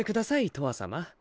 とわさま。